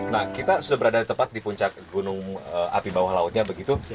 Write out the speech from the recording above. nah kita sudah berada di tepat di puncak gunung api bawah lautnya begitu